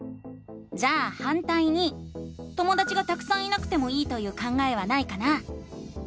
じゃあ「反対に」ともだちがたくさんいなくてもいいという考えはないかな？